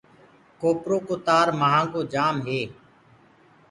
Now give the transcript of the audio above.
ڪوپرو ڪو تآر مآهنگو جآم هي۔